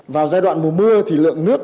vào giai đoạn mùa mưa thì lượng nước